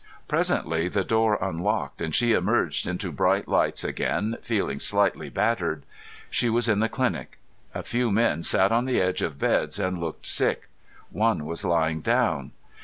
Presently the door unlocked and she emerged into bright lights again, feeling slightly battered. She was in the clinic. A few men sat on the edge of beds and looked sick. One was lying down.